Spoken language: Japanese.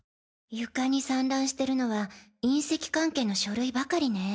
床に散乱してるのは隕石関係の書類ばかりね。